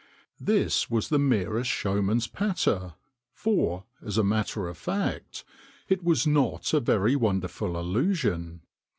This was the merest showman's patter, for, as a matter of fact, it was not a very wonderful illusion.